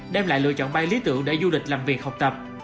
đem lại lựa chọn bay lý tưởng để du lịch làm việc học tập